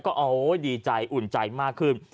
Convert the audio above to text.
ก็ดีใจอุ่นใจมากขึ้น